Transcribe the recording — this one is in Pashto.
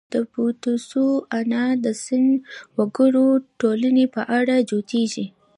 د بوتسوانا کې د سن وګړو ټولنې په اړه جوتېږي.